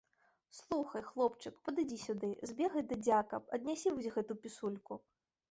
Слухай, хлопчык, падыдзі сюды, збегай да дзяка, аднясі вось гэту пісульку.